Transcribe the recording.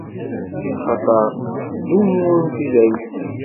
Axaṭer ttdumunt i dayem.